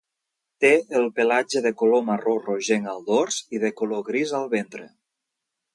Té el pelatge de color marró rogenc al dors i de color gris al ventre.